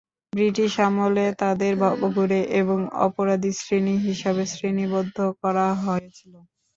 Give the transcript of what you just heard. British আমলে তাদের ভবঘুরে এবং অপরাধী শ্রেণি হিসাবে শ্রেণিবদ্ধ করা হয়েছিল।